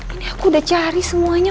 ini aku udah cari semuanya